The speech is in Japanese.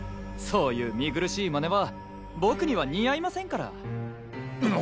そういう見苦しい真似は僕には似合いませんから。